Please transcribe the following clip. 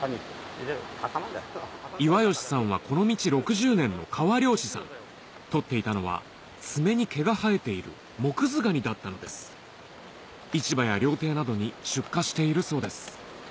岩吉さんはこの道６０年の川漁師さん取っていたのは爪に毛が生えている市場や料亭などに出荷しているそうです